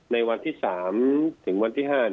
ในวันที่สามถึงวันที่ห้า